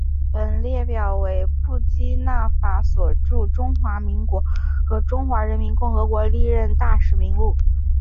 本列表为布基纳法索驻中华民国和中华人民共和国历任大使名录。